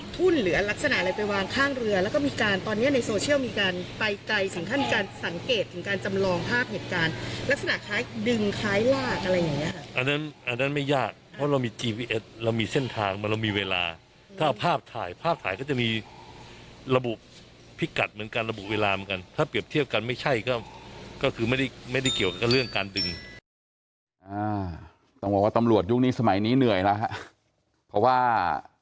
สวยเหมือนนางฟ้าเลยจนได้แล้วสวยเหมือนนางฟ้าเลยจนได้แล้วสวยเหมือนนางฟ้าเลยจนได้แล้วสวยเหมือนนางฟ้าเลยจนได้แล้วสวยเหมือนนางฟ้าเลยจนได้แล้วสวยเหมือนนางฟ้าเลยจนได้แล้วสวยเหมือนนางฟ้าเลยจนได้แล้วสวยเหมือนนางฟ้าเลยจนได้แล้วสวยเหมือนนางฟ้าเลยจนได้แล้วสวยเหมือนนางฟ้าเลยจนได้แล้วสวยเหมือนนางฟ้าเลยจนได้แล้วส